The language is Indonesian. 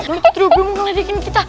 dia terhubung ngedekin kita